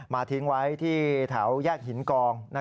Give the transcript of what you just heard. ทิ้งไว้ที่แถวแยกหินกอง